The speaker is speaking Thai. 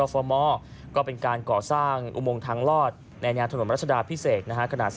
สำหรับแรก